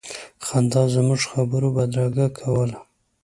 خندا زموږ خبرو بدرګه کوله.